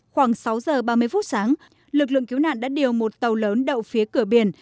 khoảng sáu giờ ba mươi phút sáng lực lượng cứu nạn đã điều một tàu lớn đậu phía cửa biển